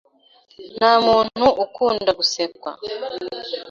Ntamuntu ukunda gusekwa.